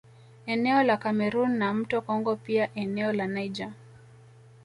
Eneo la Cameroon na mto Congo pia eneo la Niger